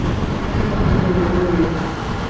La casa contiene una enorme biblioteca.